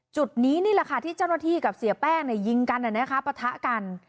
จุดนี้นี่แหละค่ะที่เจ้าหน้าที่กับเสียแป้งยิงกันปะทะกัน